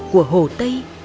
của hồ tây